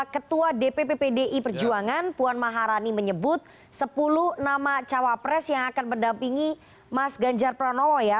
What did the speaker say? ketua dpp pdi perjuangan puan maharani menyebut sepuluh nama cawapres yang akan mendampingi mas ganjar pranowo ya